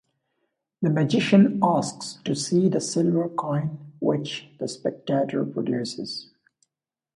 The magician asks to see the silver coin which the spectator produces.